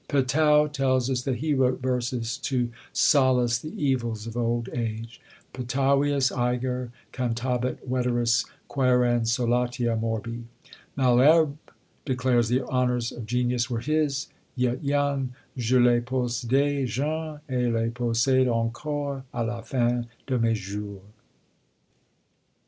Petau tells us that he wrote verses to solace the evils of old age Petavius æger Cantabat veteris quærens solatia morbi. Malherbe declares the honours of genius were his, yet young Je les posseday jeune, et les possède encore A la fin de mes jours!